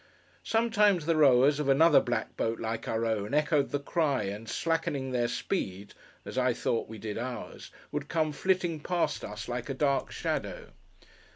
Sometimes, the rowers of another black boat like our own, echoed the cry, and slackening their speed (as I thought we did ours) would come flitting past us like a dark shadow.